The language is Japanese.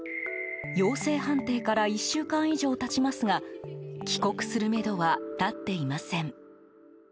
陽性判定から１週間以上経ちますが帰国するめどは立っていません。